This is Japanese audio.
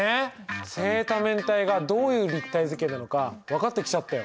正多面体がどういう立体図形なのか分かってきちゃったよ。